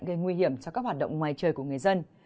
gây nguy hiểm cho các hoạt động ngoài trời của người dân